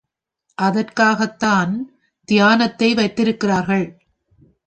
அதற்காகத்தான் தியானத்தை வைத்திருக்கிறார்கள்.